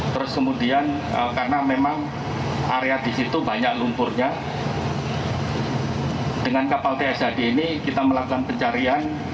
terus kemudian karena memang area di situ banyak lumpurnya dengan kapal tshd ini kita melakukan pencarian